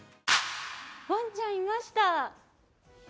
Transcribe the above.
わんちゃんいました。